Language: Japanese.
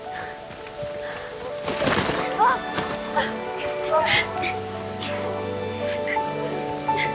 わあ！あっごめん！